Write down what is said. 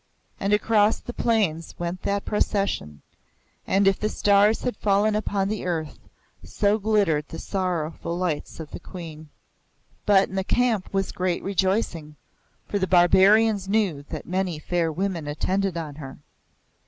And across the plains went that procession; as if the stars had fallen upon the earth, so glittered the sorrowful lights of the Queen. But in the camp was great rejoicing, for the Barbarians knew that many fair women attended on her.